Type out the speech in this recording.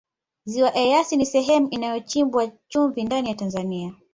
ziwa eyasi ni sehemu inayochimbwa chumvi ndani ya tanzania